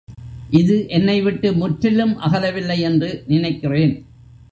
இது என்னை விட்டு முற்றிலும் அகல வில்லை என்று நினைக்கிறேன்.